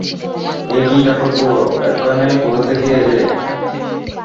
একি ঠাকুরপো, এখানে কোথা থেকে এলে?